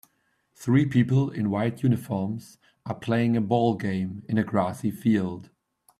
Three people in white uniforms are playing a ballgame in a grassy field.